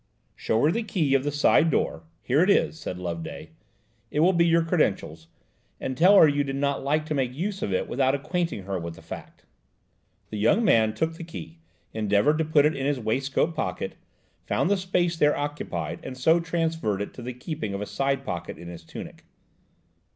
"Show her the key of the side door–here it is," said Loveday; "it will be your credentials, and tell her you did not like to make use of it without acquainting her with the fact." The young man took the key, endeavoured to put it in his waistcoat pocket, found the space there occupied and so transferred it to the keeping of a side pocket in his tunic.